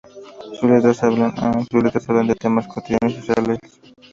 Sus letras hablan de temas cotidianos y sociales.